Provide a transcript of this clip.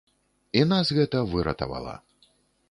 І нас гэта выратавала.